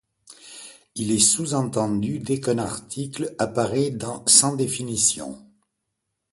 Il est sous-entendu dès qu'un indice apparaît sans définition.